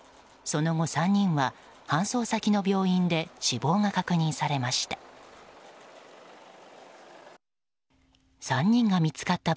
その後３人は搬送先の病院で死亡が確認されました。